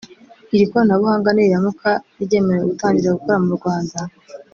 Iri koranabuhanga niriramuka ryemerewe gutangira gukora mu Rwanda